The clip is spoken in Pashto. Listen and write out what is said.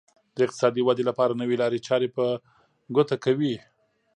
د اقتصادي ودې لپاره نوې لارې چارې په ګوته کوي.